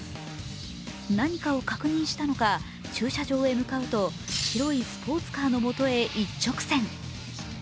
何かを確認したのか、駐車場へ向かうと、白いスポーツカーの元へ一直線。